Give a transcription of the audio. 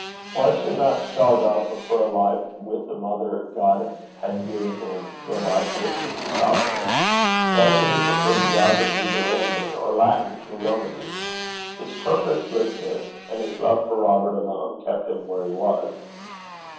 Why should not Shargar prefer a life with the mother God had given him to a life with Mrs. Falconer? Why should he prefer geography to rambling, or Latin to Romany? His purposelessness and his love for Robert alone kept him where he was.